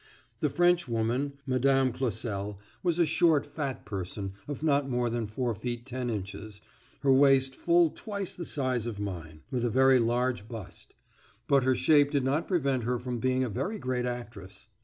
The Frenchwoman, Madame Closel, was a short, fat person of not more than four feet ten inches, her waist full twice the size of mine, with a very large bust; but her shape did not prevent her being a very great actress.